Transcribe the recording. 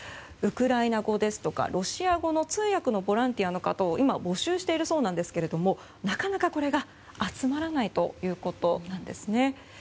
ウクライナ語ですとかロシア語の通訳のボランティアの方を今、募集しているそうなんですがなかなか、これが集まらないということなんですね。